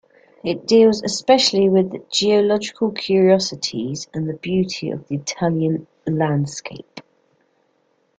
It deals especially with geological curiosities and the beauty of the Italian landscape.